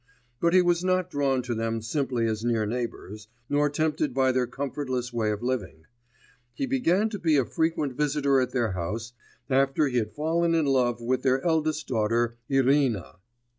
But he was not drawn to them simply as near neighbours, nor tempted by their comfortless way of living. He began to be a frequent visitor at their house after he had fallen in love with their eldest daughter Irina.